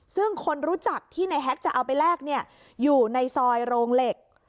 ซึ่งคนรู้จักที่ในแฮ็กจะเอาไปแลกอยู่ในซอยโรงเหล็ก